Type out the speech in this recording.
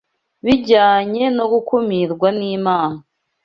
bijyanye no kumurikirwa n’Imana